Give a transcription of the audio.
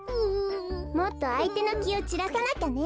もっとあいてのきをちらさなきゃね。